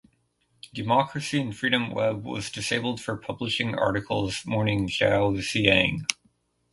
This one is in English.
Democracy and Freedom Web was disabled for publishing articles mourning Zhao Ziyang.